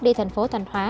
đi thành phố thành hóa